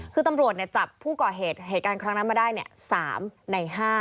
คือตำรวจจับผู้ก่อเหตุเหตุการณ์ครั้งนั้นมาได้๓ใน๕